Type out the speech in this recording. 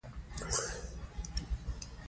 د ملګرو یوه حلقه جوړه شوه.